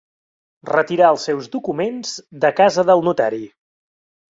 Retirar els seus documents de casa del notari.